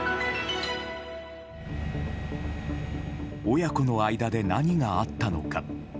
親子の間で何があったのか。